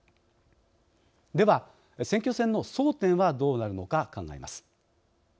では選挙戦の争点はどうなるのか考えます。